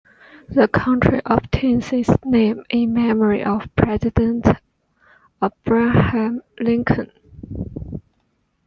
The county obtains its name in memory of President Abraham Lincoln.